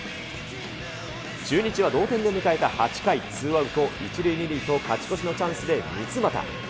中日は同点で迎えた８回、ツーアウト１塁２塁と勝ち越しのチャンスで三ツ俣。